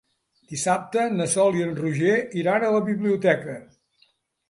Dissabte na Sol i en Roger iran a la biblioteca.